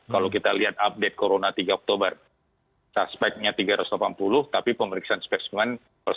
kalau kita lihat update corona tiga oktober saspetnya tiga ratus delapan puluh tapi pemeriksaan spesimen satu ratus tiga puluh delapan